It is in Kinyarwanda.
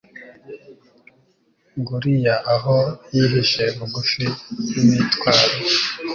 nguriya aho yihishe bugufi y'imitwaro